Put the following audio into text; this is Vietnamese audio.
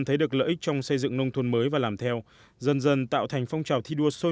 thấy được lợi ích trong xây dựng nông thôn mới và làm theo dần dần tạo thành phong trào thi đua sôi